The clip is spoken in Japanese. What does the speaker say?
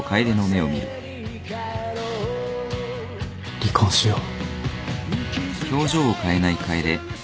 離婚しよう。